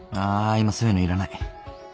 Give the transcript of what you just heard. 今そういうのいらない